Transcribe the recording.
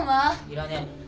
いらねえ。